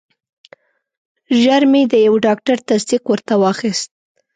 ژر مې د یو ډاکټر تصدیق ورته واخیست.